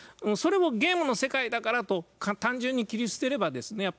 それをゲームの世界だからと単純に切り捨てればですね